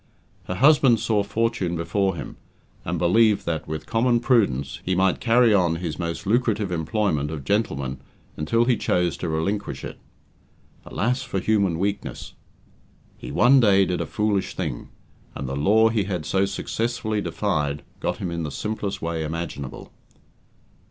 Her husband saw fortune before him, and believed that, with common prudence, he might carry on his most lucrative employment of "gentleman" until he chose to relinquish it. Alas for human weakness! He one day did a foolish thing, and the law he had so successfully defied got him in the simplest way imaginable.